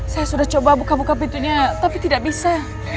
saya sudah coba buka buka pintunya tapi tidak bisa